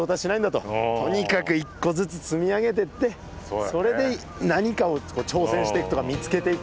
とにかく１個ずつ積み上げてってそれで何かを挑戦していくとか見つけていくっていうことなんすね。